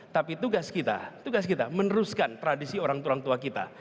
tapi tugas kita meneruskan tradisi orang tua kita